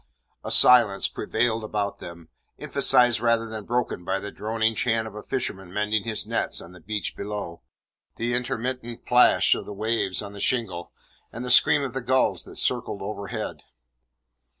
A silence prevailed about them, emphasized rather than broken by the droning chant of a fisherman mending his nets on the beach below, the intermittent plash of the waves on the shingle, and the scream of the gulls that circled overhead.